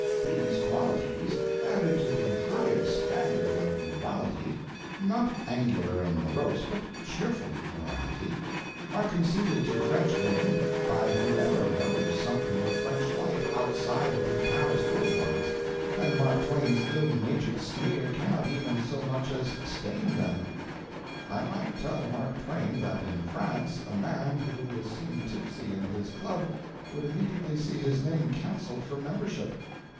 These qualities, added to the highest standard of morality (not angular and morose, but cheerful morality), are conceded to Frenchwomen by whoever knows something of French life outside of the Paris boulevards, and Mark Twain's ill natured sneer cannot even so much as stain them. I might tell Mark Twain that in France a man who was seen tipsy in his club would immediately see his name canceled from membership.